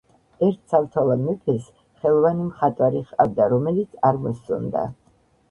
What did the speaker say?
ერთ ცალთვალა მეფეს ხელოვანი მხატვარი ჰყავდა., რომელიც არ მოსწონდა.